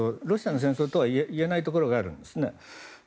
ロシアの戦争とは言えないところがあるんですね。